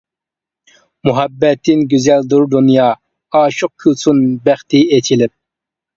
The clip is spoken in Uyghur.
مۇھەببەتتىن گۈزەلدۇر دۇنيا، ئاشىق كۈلسۇن بەختى ئېچىلىپ.